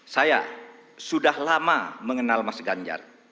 saya sudah lama mengenal mas ganjar